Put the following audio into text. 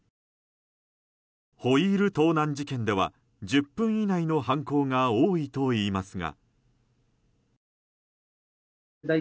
ホイール盗難事件では１０分以内の犯行が多いといいますが。